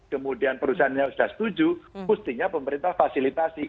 kemudian perusahaannya sudah setuju mestinya pemerintah fasilitasi